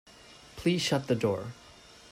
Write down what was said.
Please shut the door.